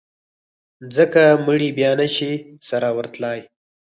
ځکه مړي بیا نه شي سره ورتلای.